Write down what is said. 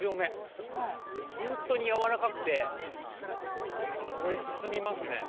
本当にやわらかくて、これ、進みますね。